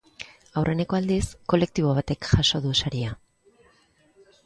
Aurreneko aldiz kolektibo batek jaso du saria.